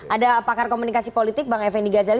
ada pakar komunikasi politik bang eveni gazali